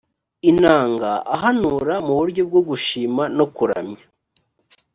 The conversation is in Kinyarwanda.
inanga ahanura mu buryo bwo gushima no kuramya